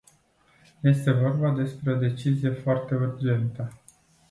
Este vorba despre o decizie foarte urgentă.